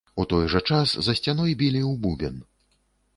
У той жа час за сцяной білі ў бубен.